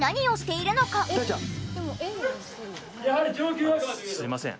あのすいません。